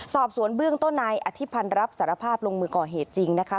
สอบสวนเบื้องต้นนายอธิพันธ์รับสารภาพลงมือก่อเหตุจริงนะคะ